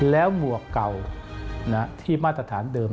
แล้วหมวกเก่าที่มาตรฐานเดิม